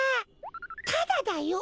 タダだよ。